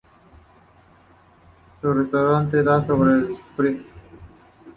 Su restaurante da sobre el Spree.